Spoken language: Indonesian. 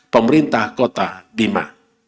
pemerintah kota bima